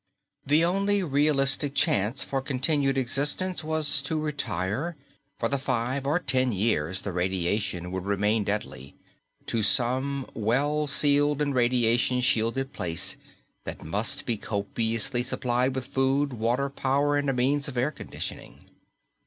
The only realistic chance for continued existence was to retire, for the five or ten years the radiation would remain deadly, to some well sealed and radiation shielded place that must also be copiously supplied with food, water, power, and a means of air conditioning.